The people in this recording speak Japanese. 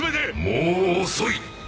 もう遅い！